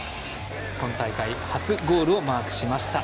今大会初ゴールをマークしました。